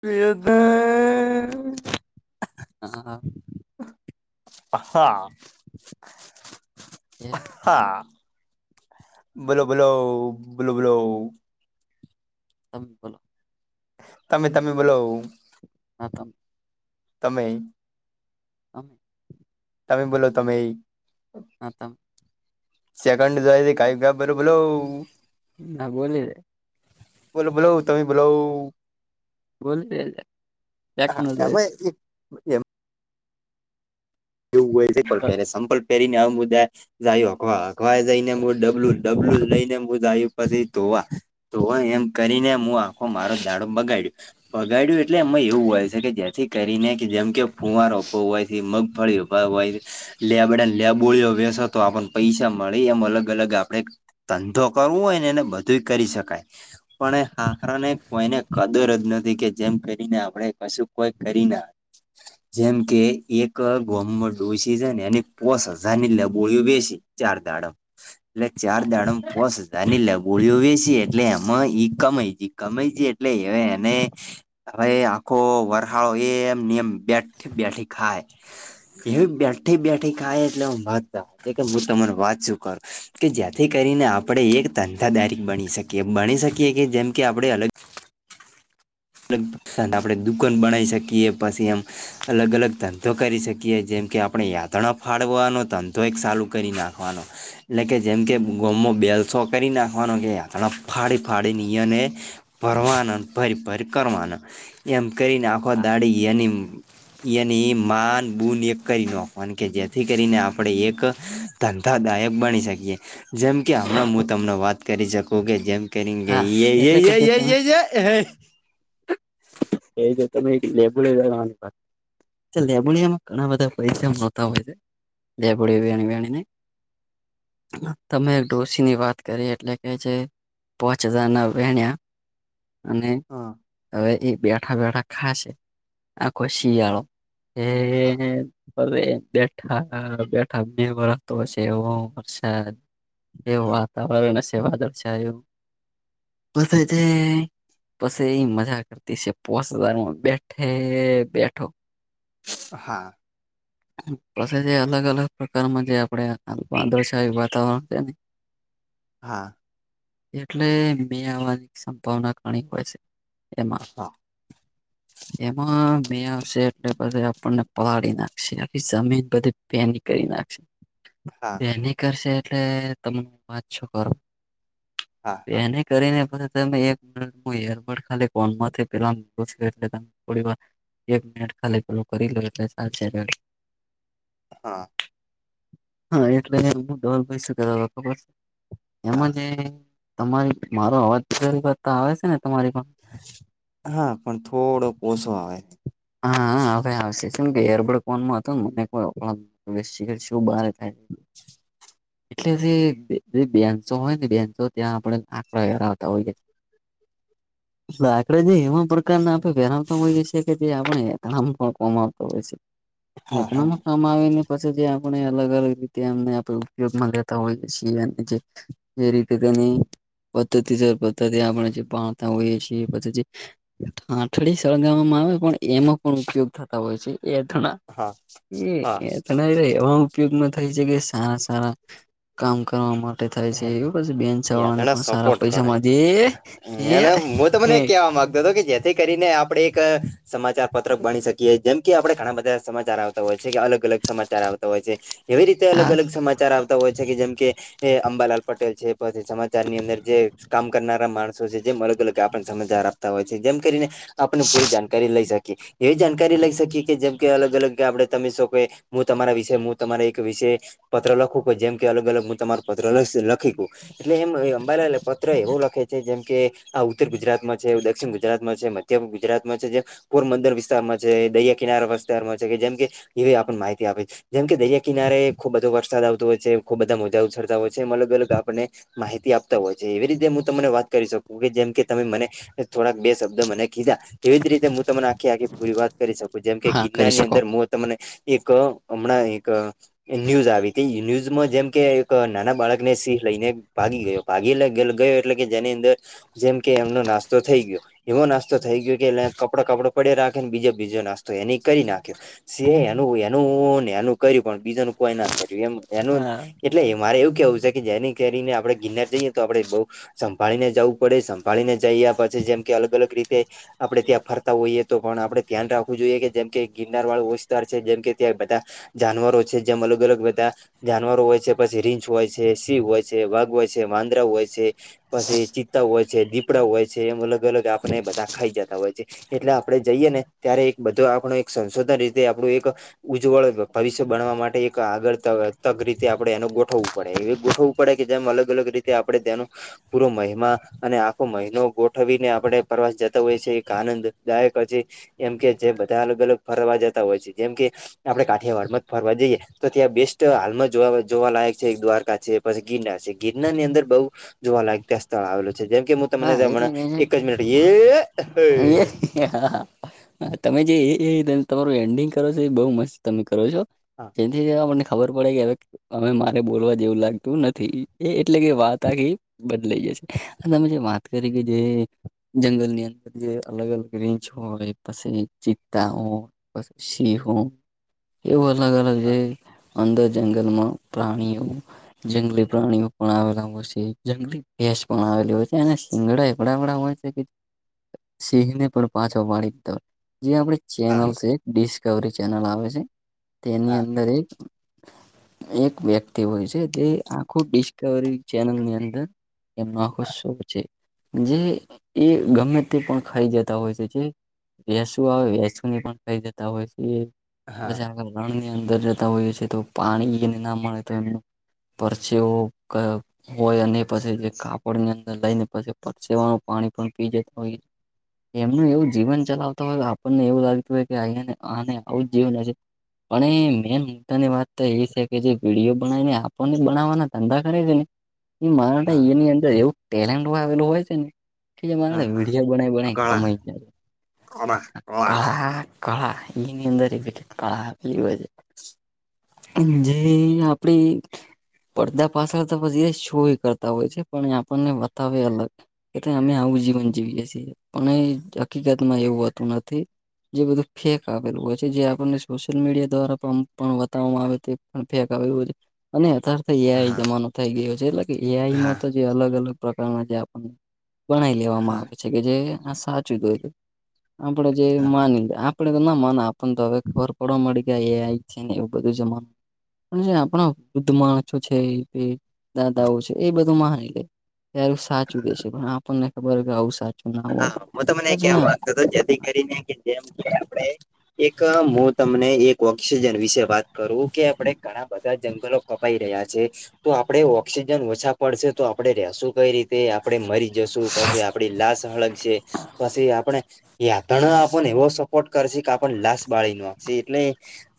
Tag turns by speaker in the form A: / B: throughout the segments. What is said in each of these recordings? A: પેદ ને
B: હા, હા.
A: હા,
B: કેમ છો
A: હા. બોલો બોલો બોલો બોલો.
B: તમ બોલો.
A: તમે તમે બોલો.
B: હા તમ
A: તમે.
B: આમ
A: તમે બોલો તમે.
B: હા તમ.
A: સેકન્ડ જો કઈ ક બરો બોલો.
B: ના બોલી રે.
A: બોલો બોલો તમે બોલા.
B: બોલી રે
A: હા
B: વ્યાકરણ જ
A: અમે
B: હોય.
A: એ એમ. એવું હોય છે કે સંપલ પેરીને આ મુદ્દ જાયું અખવા અખવા જઈનેું ડબલું ડબલું લઈને બું જાયું પછી ધોવા તો એ એમ કરીને હું આખો મારો દાડો બગાડ્યો. બગાડ્યું એટલે એમાં એવું હોય છે કે જેથી કરીને જેમ કે ફૂવારરોપવો હોય છે મગ મળયુ લેબને લેબોળયો બેસ તો આપણને પૈસા મળી એમ અલગ અલગ આપડે ધંધો કરવો હોય ને એને બધુંઈ કરી શકાય. પણ એ હારાને કોઈને કદર જ નથી કે જેમ કરીને આપણે કશું કોઈ કરી ના. જેમ કે એક ક ગોમમાં ડોસી સે ને એની પોસ હજારની [unintelligible] વહેંસી ચાર દાડમ. એટલે ચાર દાડમ પોસ હજારની [unintelligible] વહેંસી એટલે એમાં ઈ કમાઈ ગઈ. કમાઈ જાય એટલે હવે એને હવે આખો વરહાળો એમ નિયમ [unintelligible] ઠી બેઠી ખાય, એવી બેઠી-બેઠી ખાય એટલે [unintelligible] કે-કે હું તમારે વાત શું કરું, કે જેથી કરીને આપણે એક ધંધાદારીક બની શક કીએ, બણી શકીએ કે જેમ કે આપણે અલગ [unintelligible] [unintelligible] આપણે દુકાન બનાઈ શકીએ, પસી એમ અલગ-અલગ ધંધો કરી શકીએ. જેમ કે આપણે યાદ તણ ફાડવાનો ધંધો એક સાલું કરી નાખવાનો. એટલે કે જેમ કે ગોમમાં બેલ સોકરી નાખવાનો કે [unintelligible] ફાડી-ફાડી નિયને ભરવાનાન, ભરી-ભરી કરવાના. એમ કરીને આખો
B: હા
A: દાડી એની એની ઈ માન બુન એકેય નો, મન કેઈ જેથી કરીને આપણે એક ધંધાદાયક બની શકીએ. જેમ કે હમણાં હું તમને વાત કરી શકું કે જેમ
B: હા એટલે કે જે તમે
A: [unintelligible]
B: એજ તમે [unintelligible] જે લેબોડીયામાં ઘણા બધા પૈસા નોતા હોય છે. લેબોડીયા વેણી-વણીને. તમે એક ડોસીની વાત કરી એટલે કે જે પોચ હજાર ના વેણ્યા અને
A: હા.
B: હવે ઈ બેઠા-બેઠા ખાસે. આખો શીયાળો. એ
A: હા
B: હવે બેઠા-બેઠા બે વરહ તો [unintelligible] વરસાદ એવો
A: હા
B: વાતાવરણ હશે વાદળ છાયો. [unintelligible] પસે ઈ મજા કરતી સે. [unintelligible] માં બેઠે બેઠો.
A: હા.
B: પછી જે અલગ-અલગ પ્રકારમાં જે આપડે વાદળછાયું [unintelligible] [inaudible]
A: હા.
B: એટલે મે આવવાની સંભાવના ઘણી પછી. એમાં.
A: હા
B: એમાં મે આવશે એટલે પછી આપ પણને પહાળી નાખશે. આખી જમીન બધી ભેની કરી નાખશે.
A: હા.
B: ભેની કરશે એટલે તમે વાત શું કરો.
A: હા હા
B: ભેની કરીને પછી તમે એક મિનિટ [inaudible] એક મિનિટ ખાલી પેલું કરી લઉં [unintelligible]
A: હા.
B: હા એટલે [unintelligible] ધવરભાઈ શું કહેતા તા ખબરસ?
A: હા
B: એમાં જે તમારી મારો અવાજ [unintelligible] કરતા આવે છે ને તમારી [unintelligible]
A: હા પણ થોડોક ઓસો આવે.
B: હા, હા હવે આવશે. શું કેઈ એરબર્ડ ફોનમાં હતોન [unintelligible] [unintelligible] એટલે જે બે બેન્ચો હોય ને બેન્ચો ત્યાં આપણે [unintelligible] આપણે જે એવા પ્રકારના આપે વહેરાવતા હોઈએ છીએ કે જે
A: હા હા
B: આપણે [unintelligible] કામ આવેને પછી જે આપણે અલગ-અલગ રીતે એમને આપણે ઉપયોગમાં લેતા હોઈએ છીએ. અને જે જે રીતે તેની પદ્ધતિ જોઈ પદ્ધતિ આપણે જે [unintelligible] [unintelligible] હોઈએ છીએ, પછી જે ઠાઠડી સળગાવવામાં આવે પણ એમાં પણ ઉપયોગ થતા હોય છે. એઠણાં
A: હા
B: એ એથણાઈ રહે [unintelligible] ઉપયોગ ન થઈ શકે સારા-સારા કામ કરવામાં. [unintelligible] થાય છે,
A: હા
B: એવું
A: યાતણા સપોર્ટ કરે
B: પાછું
A: અને હું તમને એ
B: [unintelligible]
A: [unintelligible] જેથી કરીને આપડે એક સમાચાર પત્રક બની શકીએ. જેમ કે આપડે ઘણા બધા સમાચાર આવતા હોય છે, કે અલગ-અલગ સમાચાર આવતા હોય છે. એવી રીતે
B: હા
A: અલગ-અલગ સમાચાર આવ તાં હોય છે કે જેમ કે એ અંબાલાલ પટેલ છે, પછી સમાચાર ની અંદર જે કામ કરનારા માણ સો છે, જેમ અલગ-અલગ આપન સમાચાર આપતા હોય છે. જેમ કરીને આપને પૂરી જાણકારી લઈ શકીએ. એવી જાણકારી લઈ શકીએ કે જેમ કે અલગ-અલગ આપડે તમે સો કે હું તમારા વિશે હું તમારા એક વિશે પત્ર લખું કે જેમ કે અલગ-અલગ હું તમારું પત્ર લસ લખી કું. એટલે એમ એ અંબાલાલ એ પત્ર એવું લખે છે જેમ કે આ ઉત્તર ગુજરાતમાં છે, એવું દક્ષિણ ગુજરાતમાં છે. મ ધ્યમ ગુજરાતમાં છે જે પોરબંદર વિસ્તારમાં છે, દરિયા કિનારા વિસ્તારમાં છે કે જેમ કે એવી આપન માહિતી આપે છ. જેમકે દરિયા કિનારે ખુબ બધો વરસાદ આવતો હોય છે, ખુબ બધા મોજા ઉછળતા હોય છે, એમ અલગ-અલગ આપણને માહિતી આપતા હોય છે. એવી રીતે હું તમને વાત કરી શકું કે જેમ કે તમે મને થોડાક બે શબ્દ મને કીધા એવી જ રીતે હું તમને આખે આખી પૂરી વાત કરી શકું, જેમ કે
B: હા કરી
A: ગિરનારની
B: શકો
A: અંદર મોત તમને એક હમણાં એક ન્યૂઝ આવી તી. ઈ ન્યૂઝમાં જેમ કે એક નાના બાળકને સિંહ લઈને ભાગી ગયો, ભાગી એટલે ગલ ગયો કે જેની અંદર જેમ કે એમનો નાસ્તો થઇ ગયો. એવો નાસ્તો થઈ ગયો કે એને કપડા-કપડા પડે રાખે ને બીજે બીજો નાસ્તો એની ઈ કરી નાખ્યો. સિંહે એનું-એનું ને એનું કર્યું, પણ બીજાનું કોઈ ના કર્યું. એમ એનું
B: હા
A: જ એ એટલે મારે એવું કહેવું છે કે જેની કેરીને આપણે ગિરનાર જઈએ તો આપડે એ બઉ સંભાળીને જવું પડે, સંભાળીને જઈયા પછી જેમ કે અલગ-અલગ રીતે આપણે ત્યાં ફરતા હોઈએ તો પણ આપણે ધ્યાન રાખવું જોઈએ કે, જેમ કે ગિરનારવાળો વિસ્તાર છે, જેમ કે ત્યાં બધા જાનવરો છે, જેમ અલગ-અલગ બધા જાનવરો હોય છે પછી રીંછ હોય છે, સિંહ હોય છે, વાઘ હોય છે, વાંદરા હોય છે. પછી ચિત્તા હોય છે, દીપડા હોય છે, એમ અલગ-અલગ આપણને એ બધા ખાઈ જતા હોય છે. એટલે આપણે જઈએ ને ત્યારે એક બધો આપણો એક સંશોધન રીતે આપણું એક ઉજ્જવળ ભવિષ્ય બનાવવા માટે એક [unintelligible] આપણે એનું ગોઠવવું પડે. એવું ગોઠવવું પડે કે જેમ અલગ-અલગ રીતે આપણે તેનો પૂરો મહિમા અને આખો મહિનો ગોઠવીને આપણે પ્રવાસ જતા હોય છે, એક આનંદદાયક જે એમ કે જે બધા અલગ-અલગ ફરવા જતા હોય છે, જેમ કે આપણે કાઠિયાવાડમાં જ ફરવા જઈએ તો ત્યાં બેસ્ટ હાલમાં જોવા જોવાલાયક છે, એક દ્વારકા છે, પછી ગિરનાર છે. ગિરનારની અંદર બહુ જોવાલાયક ત્યાં સ્થળ આવેલો છે જેમ કે હું તમને
B: હા એટલે
A: હમણાં જ,
B: ક
A: એક જ
B: છે
A: મિનિટ [unintelligible]
B: તમે જે એ-એ તમારું એન્ડિંગ કરો છો એ બહુ મસ્ત તમે કરો છો.
A: હા.
B: [unintelligible] આપણને ખબર પડે કે હવે હવે મારે બોલવા જેવું લાગતું નથી. એ એટલે કે વાત આખી બદલાઈ જશે. અને તમે જે વાત કરી કે જે જંગલની અંદર જે અલગ અલગ રેન્જ હોય, પછી ચિત્તા હો પછી હો, એવું અલગ અલગ જે
A: હા
B: અંદર જંગલમાં પ્રાણીઓ જંગલી પ્રાણીઓ પણ આવેલા હોય છે, જંગલી ભેંસ પણ આવેલી હોય છે અને સિંગડા એવાં એવાં હોય છે કે સિંહને પણ પાછો પાડી દેતા હોય. જે આપણી
A: હા
B: ચેનલ, ડિસ્કવરી ચેનલ આવે છે, તેની
A: હા
B: અંદર એક એક વ્યક્તિ હોય છે, એ આખું ડિસ્કવરી ચેનલની અંદર એમાં આખો શો છે, જે એ ગમે તે પણ ખાઈ જતા હોય છે. જે વિષ આવે, વિષુની પણ ખાઈ જતા હોય છે. પછી
A: હા
B: આ જંગલની અંદર જતા હોઈએ છીએ તો પાણી ન મળે તો એમને પરચિઓ હોય અને પછી જે કાપડની અં લઈને પછી પટસેવાનું પાણી પણ પી જતા હોય. એમનું એવું જીવન ચલાવતા હોય, આપણને એવું લાગતું હોય કે અહીંયા આને આવું જીવન હશે. પણ એ મેઈન મુદ્દાની વાત તો એ છે કે જે વીડિયો બનાવીને, આપોને બનાવવાના ધંધા કરે છે ને એમાં માનટ
A: હા
B: ની એવી અંદર એવો ટેલેન્ટ આવેલી હોય છે ને એમાં
A: હા હા
B: વીડિયો બનાવીને
A: કળા
B: કમાઈ જાય.
A: કળા કળા
B: આ કળા એની અંદર બે કળા જોવે છે. જે આપડી પડદા પાછળ તો પછી એ શો કરતા હોય છે, પણ એ આપણને બતાવે અલગ. કે અમે આવું જીવન જીવીએ છીએ અને હકીકતમાં એવું હોતું નથી. જે બધું ફેક આવેલું હોય છે, જે આપણને સોશિયલ મીડિયા દ્વારા પણ બતાવવામાં આવે તે પણ ફેક એવું અને અથર થે એ આઈ
A: હા
B: જમાનો થઈ ગયો છે, એટલે કે એ આઈ
A: હા
B: માં તો જે અલગ અલગ પ્રકારના આપણ ગણાઈ લેવામાં
A: હા
B: આવે છે કે જે આ સાચું જોઈને આપડે જે
A: હા
B: માની લે આ તે ના હવે આપણને તો ખબર પડવા મળી ત્યાં એ આઈ છે ને એવું બધું જમાનું અને જે આપણા વૃદ્ધ માણસો છે
A: હા
B: દાદાઓ છે, એ બધું માની લે, તારો સાચું દે છે, પણ આપણને ખબર કે આવું સા
A: હા, હું તમને એવા કેવા માંગતો હતો કે જેથી કરીને કે જેમ કે આપડે એક અહ હું તમને એક ઓક્સિજન વિશે વાત કરું કે આપણે ઘણા બધા જંગલો કપાઈ રહ્યાં છે તો આપડે ઓક્સિજન ઓછો પડશે તો આપડે રહીશું કઈ રીતે? આપડે મરી જશું પછી આપડી લાશ બળે છે, પછી આપડે યાત્રા આપણને એવો સપોર્ટ કરશે કે આપણ લાશ બાળી નાખશે એટલે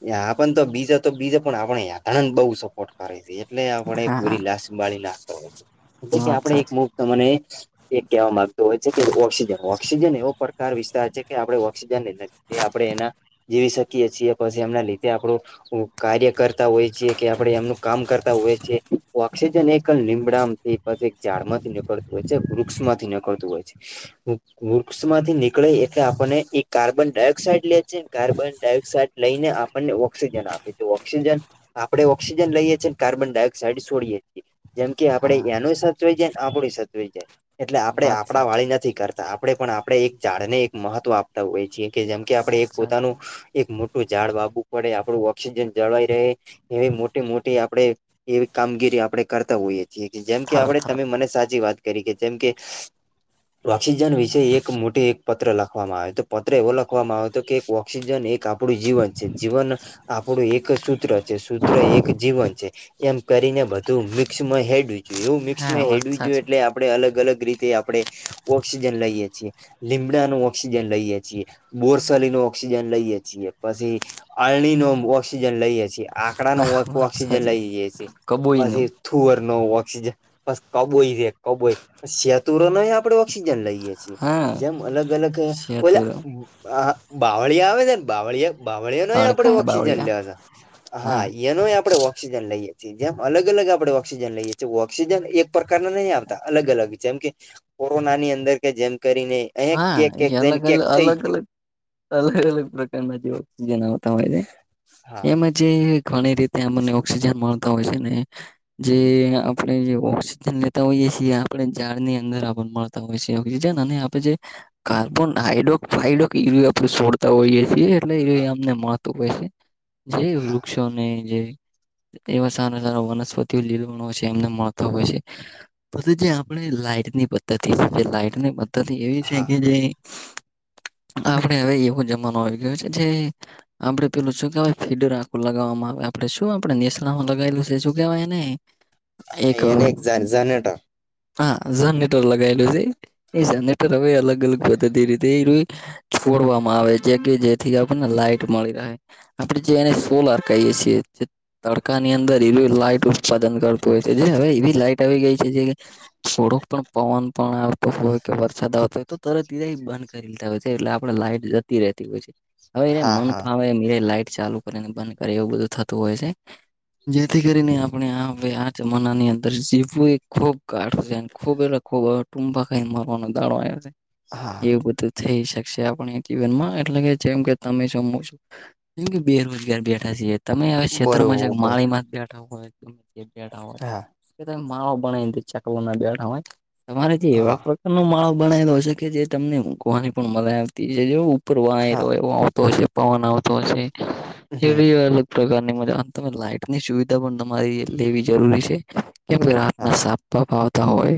A: એ આપણ તો બીજા તો બીજે પણ આપણે યાતન બહુ સહો પોર્ટ કરે છે એટલે આપડે
B: હા
A: પૂરી લાશ બાળી નાખતા હોય છે એટલે કે
B: વાત
A: આપડે એક
B: સાચી
A: મૂક તો મને એક કહેવા માંગતો હોય છે. કે ઓક્સિજન ઓક્સિજન એવો પ્રકાર વિસ્તાર છે કે આપડે ઓક્સિજન લઈનેજ આપડે એના જીવી શકીએ છીએ પછી એમના લીધે આપડું ઓ કાર્ય કરતા હોય છે કે આપડે એમનું કામ કરતા હોય છે ઓક્સિજન એક લીંબડા માંથી પછી એક ઝાડ માંથી નીકળતું હોય છે, વૃક્ષ માંથી નીકળતું હોય છે. વૃક્ષમાંથી નીકળે એટલે આપણને એ કાર્બન ડાયોક્સાઇડ લે છે કાર્બન ડાયોક્સાઇડ લઈને આપણને ઓક્સિજન આપે છે. ઓક્સિજન આપડે ઓક્સિજન લઈએ છીએ ને કાર્બન ડાયોક્સાઇડ છોડીએ છીએ. જેમ કે આપડે
B: હા
A: એનુંય સચવાઈ જાયને આપડું ઈ સચવાઈ જાય. એટલે આપડે
B: વાત
A: આપડા
B: સાચી
A: વાળી નથી કરતા. આપડે પણ આપડે એક ઝાડને એક મહત્વ આપતા હોઈએ છીએ કે જેમ કે આપડે
B: વાત
A: એક
B: સાચી
A: પોતાનું, એક મોટું ઝાડ વાવવું પડે, આપડું ઓક્સિજન જળવાઈ રહે એવી મોટી મોટી આપડે, એવી કામગીરી આપડે કરતા હોઈએ. છીએ કે, જેમ કે
B: થર
A: આપડે
B: થર
A: તમે મને સાચી વાત કરી કે, જેમ કે ઓક્સિજન વિશે એક મોટી એક પત્ર લખવામાં આવ્યો તો. પત્ર એવો લખવામાં આવ્યો તો કે એક ઓક સીજન એક આપણું જીવન છે. જીવન આપણું એક સૂત્ર છે. સૂત્ર એક જીવન છે. એમ કરીને બધું મિક્સમાં હેડ્યું. એવું મિક્સમાં
B: હા વાત
A: હેડયુ જોઈએ,
B: સાચી
A: એટલે આપડે અલગ અલગ રીતે આપડે, ઓક્સિજન લઈએ છીએ. લીમડાનો ઓક્સિજન લઈએ છીએ, બોરસલીનો ઓક્સિજન લઈએ છીએ. પછી અઈણીનો ઓક્સિજન લઈએ છીએ. આકડાનો ઑક્
B: વાત
A: ઓક્સિજન
B: સાચી
A: લઈએ છીએ.
B: કબોઈ નું
A: પછી થુવરનો ઓક્સિજન, પસ કબોઈ છે કબોઈ. સેતુરો નોય આપડે ઓક્સિજન લઈ એ છીએ.
B: હા
A: જેમ અલગ અલગ ઓલ્યાં
B: સેતુરમ
A: આ બાવળીયા આવે સે ને બાવળીયા બાવળીયા નોય આપડે
B: હડકાયા
A: ઓક્સિજન
B: બાવળિયા
A: લેવાના. હા ઇયનોય આપડે ઓક્સિજન લઈએે છીએ. જેમ અલગ અલગ આપડે ઓક્સિજન લઈએ છીએ. ઓક્સિજન એક પ્રકારના નહીં આવતા, અલગ અલગ. જેમ કે કોરોનાની અંદર કે જેમ કરીને અહી
B: હા,
A: કેક
B: એ
A: કેક જઈને
B: અલગ-અલગ,
A: કેક થઈ
B: અલગ-અલગ
A: ગયું
B: અલગ અલગ પ્રકારના જે ઓક્સિજન આવતા હોય છે,
A: હા
B: એમાંય જે ઘણી રીતે અમને ઓક્સિજન મળતા હોય છે ને જે આપણે જે ઓક્સિજન લેતા હોઈએ છીએ, આપણે ઝાડ ની અંદર આપડન મળ તા હોય છે. ઑક્સિજન અને આપડે જે કાર્બન હાઇડોક ફાઇડોક એરિયૂ આપડે છોડતા હોઈએ છીએ એટલે
A: હા
B: એરિયૂ એમણે મળ તો [unintelligible] જે
A: હા
B: વૃક્ષો ને જે એવા સારા સારા વનસ્પતિઓ લીલવણ હોય છે, એમને મળતા હોય છે. પછી જે આપણે લાઈટની પદ્ધતિ છે, જે લાઈટ ની પદ્ધતિ એવી છે કે
A: હા
B: જે, આપણે હવે એવો જમાનો આવી ગ્યો છે, જે આપડે પેલું શું કેવાય, ફીડર આખું લગાવવામાં આવે. આપડે શું આપડે નેસડામાં લગાવેલું છે શું કેવાય એને? એક,
A: એને જનેટર
B: હા જનરેટર લગાયેલું છે. એ જનરેટર હવે અલગ અલગ પદ્ધતિ રીતે એયરુઈ છોડવામાં આવે છે, જે કે જેથી આપણને લાઈટ મળી રહે. આપડે જે એને સોલાર કહીએે છીએ. તડકાની અંદર [unintelligible] લાઈટ ઉત્પાદન કરતું હોય છે. જે હવે એવી લાઈટ આવી ગઈ છે, જે થોડોક પણ પવન પણ આવતો હોય કે વર સાદ આવતો હોય તો તરત એરિયાઇ બંધ કરી દેતા હોય છે. એટલે આપડે લાઈટ જતી રહેતી હોય છે. હવે એ
A: હા
B: મન
A: હા
B: ફાવે એમ એ લાઈટ ચાલુ કરીને બંધ કરે, એવું બધું થતું હોય છે. જેથી કરીને આપણે હવે આ જમાનાની અંદર જીવવું એ ખૂબ કાઠું છે. ખૂબ એટલે ખૂબ. હવે ટૂંપા ખાઈન મરવાનો દાડો આવ્યો.
A: હા
B: એવું બધું થઈ શકશે આપણે જીવનમાં. એટલે કે જેમ કે તમે છો મુ છું જેમ કે બેરોજગાર બેઠા છીએ. તમે એવે શેતરમાં ચેક
A: બરોબર
B: માળીમાથ બેઠા હોય, ગમે ત્યાં બેઠા હોય
A: હા
B: કે તમે માળો બનાઈને ચકલના બેઢા હોય. તમારે જે એવા
A: હા
B: પ્રકારનો માળો બણેલો હશે, કે જે તમને [unintelligible] પણ મલાઈ આવતી, જે ઉપર વાઈ
A: હા
B: રહ્યો એવો આવતો હશે. પવન આવતો હશે. એ
A: હમ
B: પ્રકારની મજા તમે લાઈટની સુવિધા પણ તમારી લેવી જરૂરી છે. કેમ કે
A: હા
B: રાતના સાપ બાપ આવતા હોય.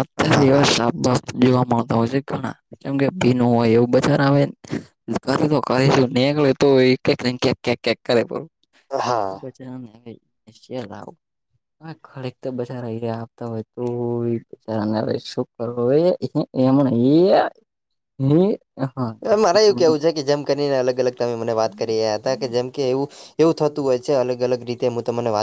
B: અત્યારે
A: હા હા
B: એવા શાપ બાપ જોવા મળતો હોય છે ઘના. કેમ કે ભીનું હોય એવું, બધા આવે.
A: હા
B: [unintelligible] [unintelligible] [unintelligible] [unintelligible]
A: અહ મારે એવું
B: તમને
A: કેવું છે, કે જેમ કરીને અલગ-અલગ તમે મને વાત કરી રહ્યા હતા, કે જેમ કે એવું એવું થતું હોય છે અલગ-અલગ રીતે હું તમને વાત